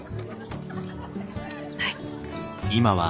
はい。